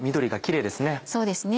そうですね。